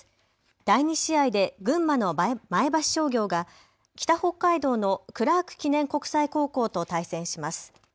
第２試合で群馬の前橋商業が北北海道のクラーク記念国際高校と対戦します。